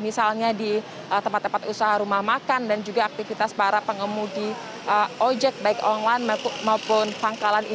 misalnya di tempat tempat usaha rumah makan dan juga aktivitas para pengemudi ojek baik online maupun pangkalan ini